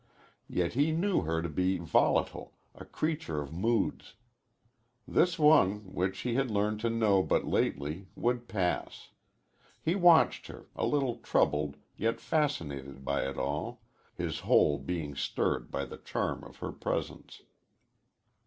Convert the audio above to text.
Yet he knew her to be volatile, a creature of moods. This one, which he had learned to know but lately, would pass. He watched her, a little troubled yet fascinated by it all, his whole being stirred by the charm of her presence.